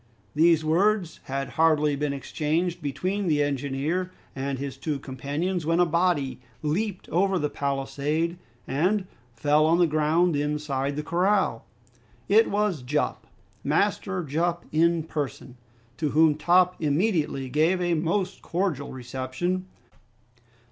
These words had hardly been exchanged between the engineer and his two companions when a body leaped over the palisade and fell on the ground inside the corral. It was Jup, Master Jup in person, to whom Top immediately gave a most cordial reception.